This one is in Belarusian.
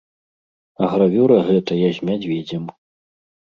А гравюра гэтая з мядзведзем.